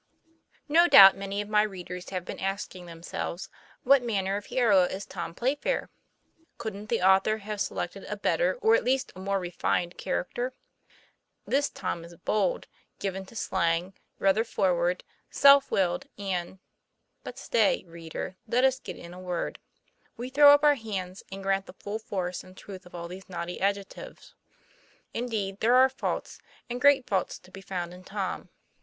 NO doubt many of my readers have been asking themselves what manner of hero is Tom Play fair. Couldn't the author have selected a better, or at least a more refined character ? This Tom is bold, given to slang, rather forward, self willed, and but stay, reader, let us get in a word. We throw up our hands, and grant the full force and truth of all these naughty adjectives. Indeed there are faults, and great faults, to be found in Tom.